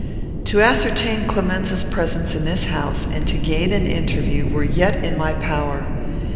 To ascertain Clemenza's presence in this house, and to gain an interview, were yet in my power.